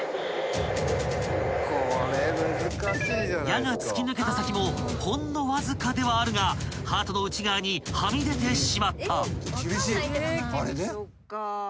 ［矢が突き抜けた先もほんのわずかではあるがハートの内側にはみ出てしまった］